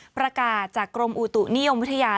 ประกาศจากกรมอุตุนิยมวิทยา